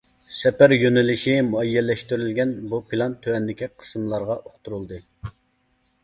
سەپەر يۆنىلىشى مۇئەييەنلەشتۈرۈلگەن بۇ پىلان تۆۋەندىكى قىسىملارغا ئۇقتۇرۇلدى.